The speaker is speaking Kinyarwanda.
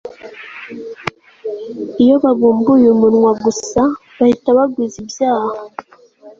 iyo babumbuye umunwa gusa, bahita bagwiza ibyaha